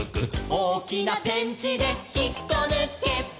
「おおきなペンチでひっこぬけ」